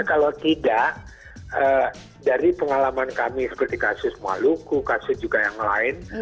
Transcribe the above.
kalau tidak dari pengalaman kami seperti kasus maluku kasus juga yang lain